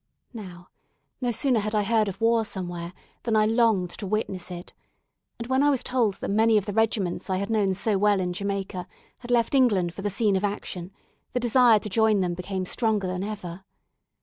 Now, no sooner had I heard of war somewhere, than I longed to witness it; and when I was told that many of the regiments I had known so well in Jamaica had left England for the scene of action, the desire to join them became stronger than ever.